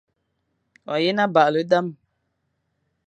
O nga yen abaghle dam ;